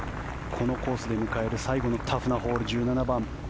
このコースで迎える最後のタフなホール、１７番。